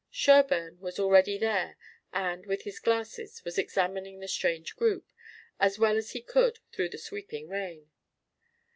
Sherburne was already there and with his glasses was examining the strange group, as well as he could through the sweeping rain.